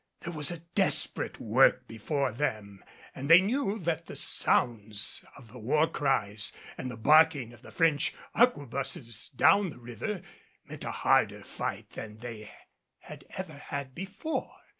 There was desperate work before them and they knew that the sounds of the war cries and the barking of the French arquebuses down the river meant a harder fight than they had ever had before.